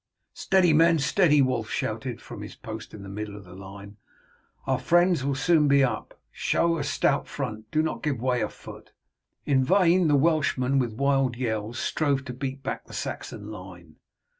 "Steady, men, steady!" Wulf shouted out from his post in the middle of the line. "Our friends will soon be up. Show a stout front. Do not give way a foot." In vain the Welshmen, with wild yells, strove to beat back the Saxon line.